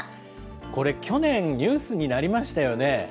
これ去年、ニュースになりましたよね。